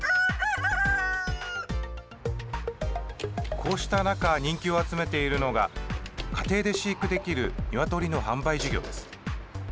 こうした中人気を集めているのが家庭で飼育できる鶏の販売事業です。